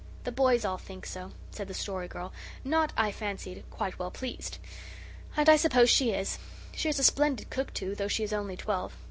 "The boys all think so," said the Story Girl, not, I fancied, quite well pleased. "And I suppose she is. She is a splendid cook, too, though she is only twelve.